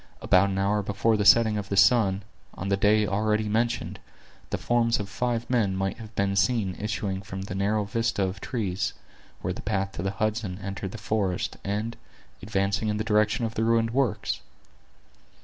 About an hour before the setting of the sun, on the day already mentioned, the forms of five men might have been seen issuing from the narrow vista of trees, where the path to the Hudson entered the forest, and advancing in the direction of the ruined works.